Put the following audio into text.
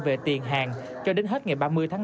về tiền hàng cho đến hết ngày ba mươi tháng năm